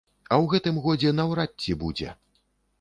А ў гэтым годзе наўрад ці будзе.